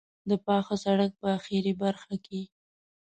د پاخه سړک په آخري برخه کې.